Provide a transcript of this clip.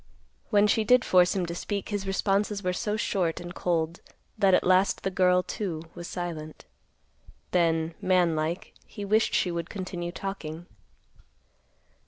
When she did force him to speak, his responses were so short and cold that at last the girl, too, was silent. Then, man like, he wished she would continue talking.